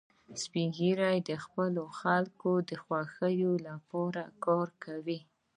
سپین ږیری د خپلو خلکو د خوښۍ لپاره کار کوي